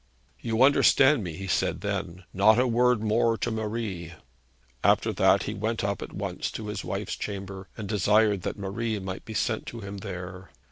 'You understand me,' he said then. 'Not a word more to Marie.' After that he went up at once to his wife's chamber, and desired that Marie might be sent to him there.